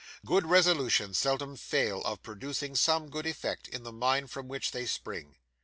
Good resolutions seldom fail of producing some good effect in the mind from which they spring.